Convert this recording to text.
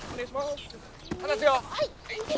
はい。